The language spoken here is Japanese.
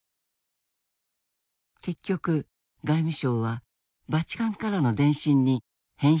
結局外務省はバチカンからの電信に返信しなかった。